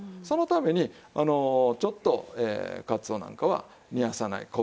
そのためにちょっとかつおなんかは煮やさない。